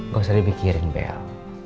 gak usah dipikirin bel